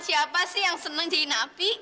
siapa sih yang senang jadi napi